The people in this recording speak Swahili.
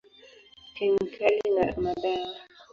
Kemikali na madawa.